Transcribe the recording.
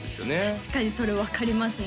確かにそれ分かりますね